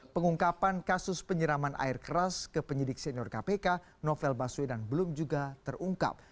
pengungkapan kasus penyiraman air keras ke penyidik senior kpk novel baswedan belum juga terungkap